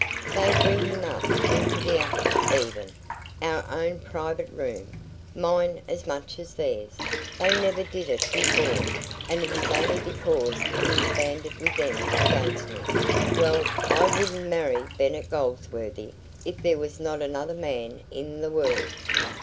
They bring him up into the attic even our own private room mine as much as theirs; they never did it before, and it is only because he is banded with them against me. Well, I wouldn't marry Bennet Goldsworthy if there was not another man in the world...